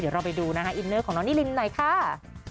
เดี๋ยวเราไปดูนะคะอินเนอร์ของน้องนิลินหน่อยค่ะ